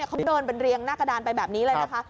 เขาเดินเป็นเรียงหน้ากระดานไปแบบนี้เลยนะคะ